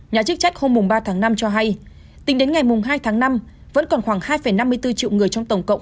nhà chức trách hôm ba tháng năm cho hay tính đến ngày hai tháng năm vẫn còn khoảng hai năm mươi bốn triệu người trong tổng cộng